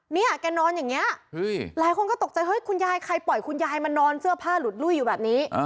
เนี่ยแกนอนอย่างนี้หลายคนก็ตกใจเฮ้ยคุณยายใครปล่อยคุณยายมานอนเสื้อผ้าหลุดลุ้ยอยู่แบบนี้